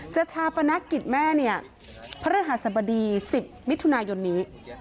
จัดชาปนักกิจแม่นี่พระราชสบดี๑๐มิถุนายนนี้